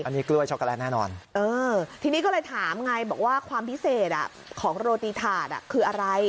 อันนี้กล้วยช็อกโกแลตแน่นอนทีนี้ก็เลยถามไงบอกว่าความพิเศษของโรตีถาดคืออะไร